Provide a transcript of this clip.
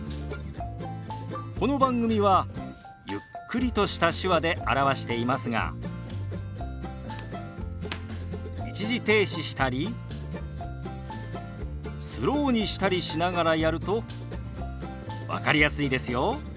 この番組はゆっくりとした手話で表していますが一時停止したりスローにしたりしながらやると分かりやすいですよ。